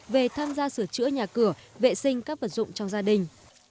về tham gia sửa chữa nhà cửa vệ sinh các vật dụng trong gia đình